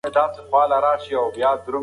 ټولنیز بدلونونه تل په نظر کې ونیسئ.